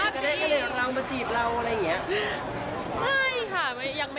ก็ได้รังมาจีบเราอะไรอย่างนี้